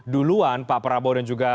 duluan pak prabowo dan juga